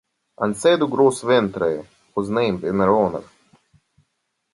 Anse du Gros Ventre was named in her honour.